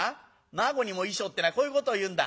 『馬子にも衣装』ってのはこういうことをいうんだ。